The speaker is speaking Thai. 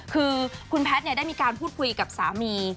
คือคุณแพทย์ได้มีการพูดคุยกับสามี